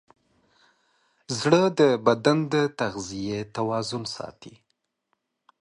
زړه د بدن د تغذیې توازن ساتي.